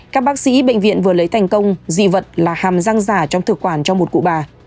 các bác sĩ bệnh viện vừa lấy thành công dị vật là hàm răng giả trong thực quản cho một cụ bà